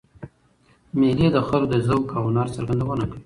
مېلې د خلکو د ذوق او هنر څرګندونه کوي.